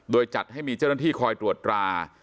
โดยจัดให้มีเจ้าหน้าที่คอยตรวจตรา